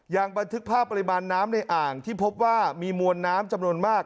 ยังบันทึกภาพปริมาณน้ำในอ่างที่พบว่ามีมวลน้ำจำนวนมาก